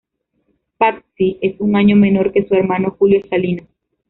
Patxi es un año menor que su hermano Julio Salinas.